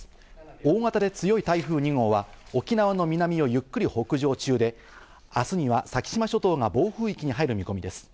大型で強い台風２号は沖縄の南をゆっくり北上中で、あすには先島諸島が暴風域に入る見込みです。